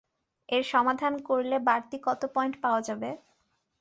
এর সমাধান করলে বাড়তি কত পয়েন্ট পাওয়া যাবে?